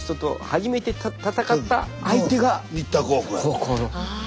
高校の。